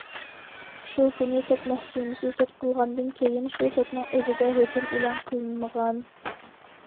شۇ كۈنى، سوت مەھكىمىسى سوت قىلغاندىن كېيىن، شۇ سوتنىڭ ئۆزىدە ھۆكۈم ئېلان قىلىنمىغان.